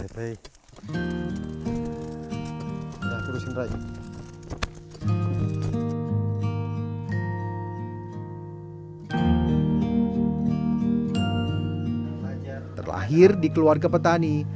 terlahir di keluarga petani